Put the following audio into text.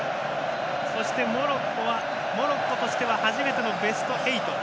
そして、モロッコはモロッコとしては初めてのベスト８。